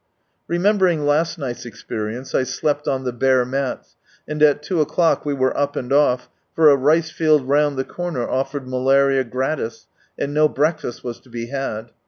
Remembering last night's experience I slept on the bare mats, and at two o'clock we were up and off, for a rice field round the corner offered malaria gratis, and no breakfast was to be had.